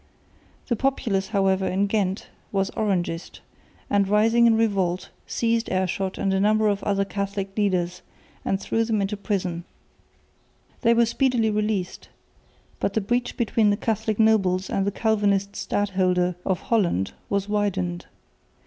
The populace however in Ghent was Orangist, and, rising in revolt, seized Aerschot and a number of other Catholic leaders and threw them into prison. They were speedily released, but the breach between the Catholic nobles and the Calvinist stadholder of Holland was widened.